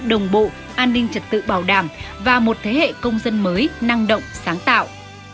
đồng bộ an ninh trật tự bảo đảm và một thế hệ công dân mới năng động sáng tạo